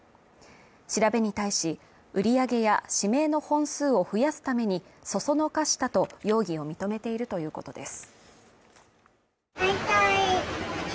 調べに対し、売り上げや指名の本数を増やすために、そそのかしたと容疑を認めているということです。